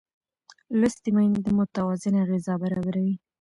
لوستې میندې متوازنه غذا برابروي.